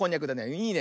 いいね。